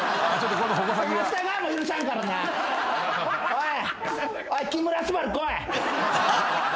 おい！